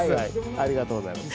ありがとうございます。